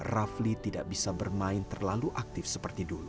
rafli tidak bisa bermain terlalu aktif seperti dulu